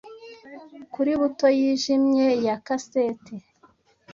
kuri buto yijimye ya kasete